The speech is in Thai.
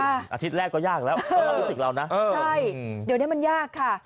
อาทิตย์แรกก็ยากแล้วตอนเรารู้สึกแล้วนะใช่เดี๋ยวนี้มันยากค่ะ